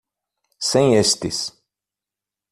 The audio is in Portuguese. Sem estes